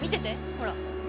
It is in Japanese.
ほら。